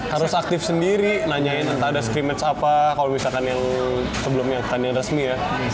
harus aktif sendiri nanyain entah ada skemage apa kalau misalkan yang sebelumnya pertandingan resmi ya